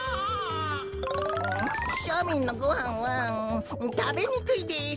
うんしょみんのごはんはたべにくいです。